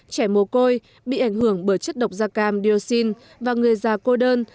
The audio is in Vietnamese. trẻ mồ côi bị ảnh hưởng bởi chất độc da cam dioxin và người già cô đơn